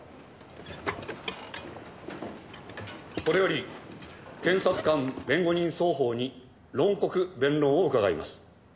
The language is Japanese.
これより検察官弁護人双方に論告弁論を伺います。